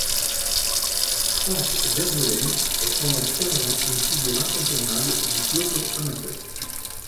Franck Vermeulen est pendant quinze ans une figure incontournable du peloton amateur.